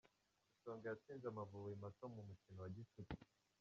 Isonga yatsinze Amavubi mato mu mukino wa gicuti